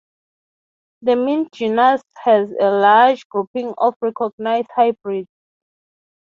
The mint genus has a large grouping of recognized hybrids.